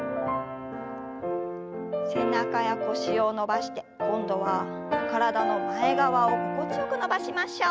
背中や腰を伸ばして今度は体の前側を心地よく伸ばしましょう。